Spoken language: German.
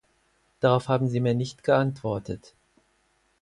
Darauf haben Sie mir nicht geantwortet.